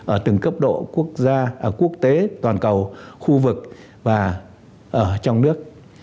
ở từng cấp độ quốc tế toàn cầu khu vực và trong nước